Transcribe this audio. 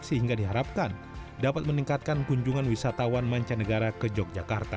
sehingga diharapkan dapat meningkatkan kunjungan wisatawan mancanegara ke yogyakarta